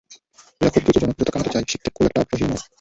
এরা খুব দ্রুত জনপ্রিয়তা কামাতে চায়, শিখতে খুব একটা আগ্রহীও নয়।